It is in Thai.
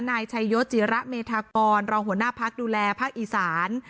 นายชัยยศจิระเมธากรรองหัวหน้าพักดูแลภาคอีสาน